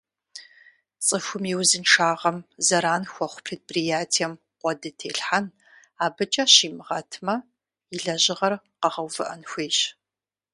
ЦӀыхум и узыншагъэм зэран хуэхъу предприятием къуэды телъхьэн, абыкӀэ щимыгъэтмэ, и лэжьыгъэр къэгъэувыӀэн хуейщ.